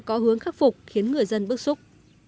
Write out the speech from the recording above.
các phục khiến người dân bức xúc